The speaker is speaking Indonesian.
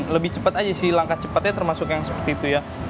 lebih cepat aja sih langkah cepatnya termasuk yang seperti itu ya